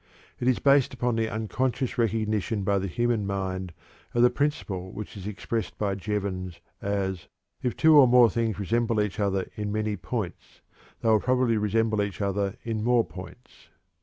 It is based upon the unconscious recognition by the human mind of the principle which is expressed by Jevons as: "_If two or more things resemble each other in many points, they will probably resemble each other in more points.